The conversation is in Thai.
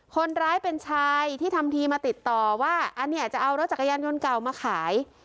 คนร้ายเป็นชายที่ทำทีมาติดต่อว่าอันนี้จะเอารถจักรยานยนต์เก่ามาขาย